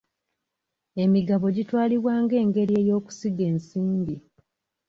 Emigabo gitwalibwa ng'engeri y'okusiga ensimbi.